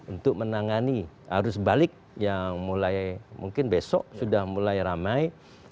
untuk menangani arus balik yang mulai mungkin besok sudah mulai ramai